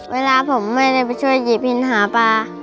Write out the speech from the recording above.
เวลาผมไม่ได้ไปช่วยหยิบหินหาปลา